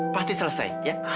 pasti selesai ya